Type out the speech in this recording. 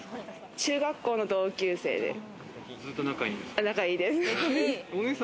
中学校の同級生で、仲いいです。